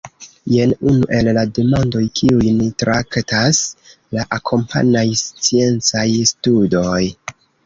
Jen unu el la demandoj, kiujn traktas la akompanaj sciencaj studoj.